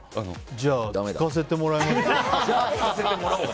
じゃあ、聞かせてもらえますか。